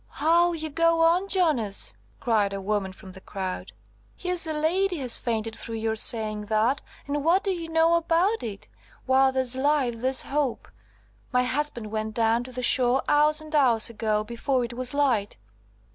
"How you go on, Jonas!" cried a woman from the crowd. "Here's a lady has fainted through your saying that and what do you know about it? While there's life there's hope. My husband went down to the shore hours and hours ago, before it was light."